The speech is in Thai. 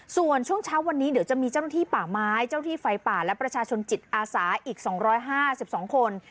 ส่วนช่วงเช้าวันนี้เดี๋ยวจะมีเจ้าหน้าที่ป่าไม้เจ้าหน้าที่ไฟป่าและประชาชนจิตอาสาอีกสองร้อยห้าสิบสองคน